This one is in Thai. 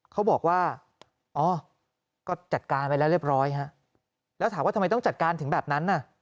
เขาบอกว่าอ๋อก็จัดการไปแล้วเรียบร้อยฮะแล้วถามว่าทำไมต้องจัดการถึงแบบนั้นน่ะ